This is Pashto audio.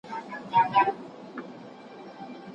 ډاکټر ته په وخت ورشئ.